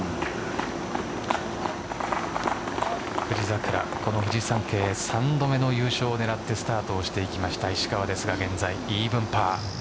富士桜、このフジサンケイ３度目の優勝を狙ってスタートしていきました石川ですが、現在イーブンパー。